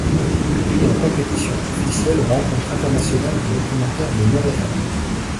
Puis en compétition officielle aux Rencontres internationales du documentaire de Montréal.